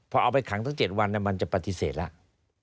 พอเอาไปขังตั้ง๗วันมันจะปฏิเสธแล้ว